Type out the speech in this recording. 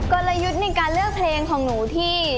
กลยุทธ์ในการเลือกเพลงของหนูที่